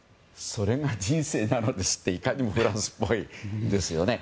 それが人生なのですっていかにもフランスっぽいですよね。